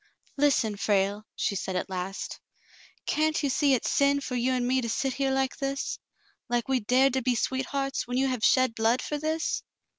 "Listen, Frale," she said at last. "Can't you see it's sin for you and me to sit here like this — like we dared to be sweethearts, when j^ou have shed blood for this